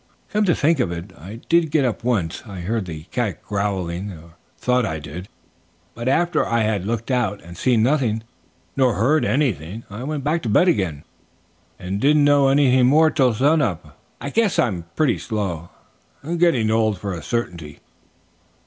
"Come to think of it, I did get up once. I heard the cat growling, or thought I did, but after I had looked out and seen nothing, nor heard anything, I went back to bed again and didn't know anything more till sun up. I guess I'm pretty slow. I'm getting old for a certainty."